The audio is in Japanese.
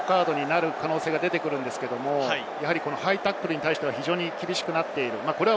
今大会は特にレッドカードになる可能性が出てくるんですけれど、ハイタックルに対しては非常に厳しくなっている。